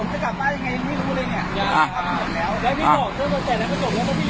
ผมจะกลับไปยังไงไม่รู้เลยเนี่ย